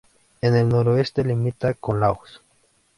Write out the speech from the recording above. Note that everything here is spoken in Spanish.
En el noreste limita con Laos.